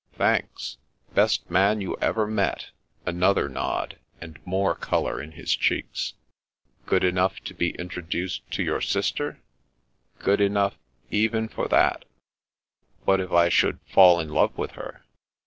" Thanks. Best man you ever met ?" Another nod, and more colour in his cheeks. There is No Such Girl 261 '* Good enough to be introduced to your sister ?'^" Good enough— even for that." " What if I should fall in love with her?